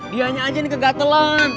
dianya aja nih kegatelan